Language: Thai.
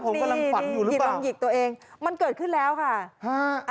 ผมกำลังฝันอยู่หรือเปล่านี่หยิดลองหยิกตัวเองมันเกิดขึ้นแล้วค่ะ